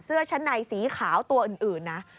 เสื้อชั้นในสีขาวตัวอื่นนะ